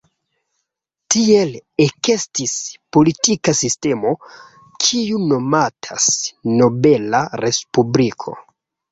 Tiel ekestis politika sistemo, kiu nomatas "nobela respubliko".